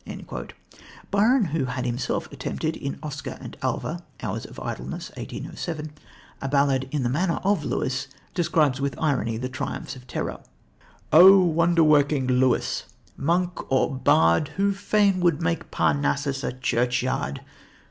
" Byron, who had himself attempted in Oscar and Alva (Hours of Idleness, 1807) a ballad in the manner of Lewis, describes with irony the triumphs of terror: "Oh! wonderworking Lewis! Monk or Bard, Who fain would make Parnassus a churchyard!